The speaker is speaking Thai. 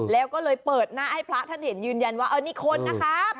แล้วก็เลยเปิดหน้าให้พระท่านเห็นยืนยันว่าเออนี่คนนะครับ